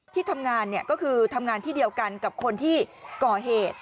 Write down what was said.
ที่ทำงานก็คือทำงานที่เดียวกันกับคนที่ก่อเหตุ